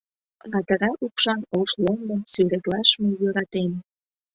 Ладыра укшан ош ломбым Сӱретлаш мый йӧратем.